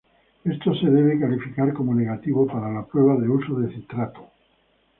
Esto se debe calificar como negativo para la prueba de uso de citrato.